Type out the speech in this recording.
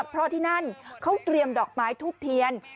เพราะที่นั่นเขาเตรียมดอกไม้ทูบเทียน